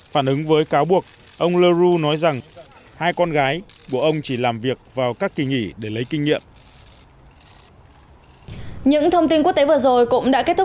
phản ứng với cáo buộc ông lơ ru nói rằng hai con gái của ông chỉ làm việc vào các kỳ nghỉ để lấy kinh nghiệm